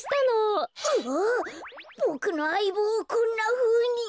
ボクのあいぼうをこんなふうに。